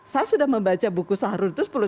saya sudah membaca buku sahroh